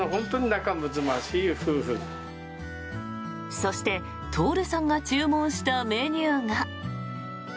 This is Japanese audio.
そして徹さんが注文したメニューが。